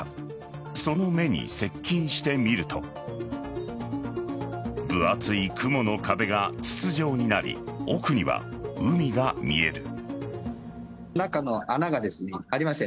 その目に接近してみると分厚い雲の壁が筒状になり奥には海が見える。